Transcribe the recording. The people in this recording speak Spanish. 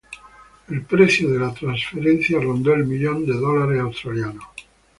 El precio de la transferencia rondó el millón de dólares australianos.